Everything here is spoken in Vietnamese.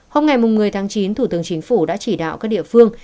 hôm ngày một mươi tháng chín thủ tướng chính phủ đã chỉ đạo các địa phương